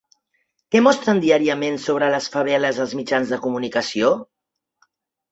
Què mostren diàriament sobre les faveles els mitjans de comunicació?